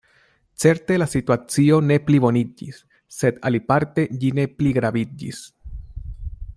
Certe la situacio ne pliboniĝis; sed aliparte ĝi ne pligraviĝis.